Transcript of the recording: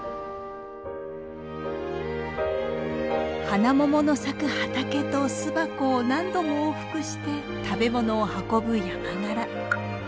ハナモモの咲く畑と巣箱を何度も往復して食べ物を運ぶヤマガラ。